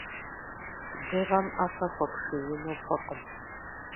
Дыгъэм ӏэпэ хуэпшиину фӏыкъым.